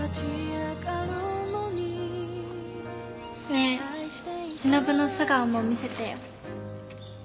ねえしのぶの素顔も見せてよ。